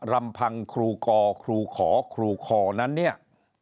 ลำพังครูกอครูขอครูคอนั้นเนี่ย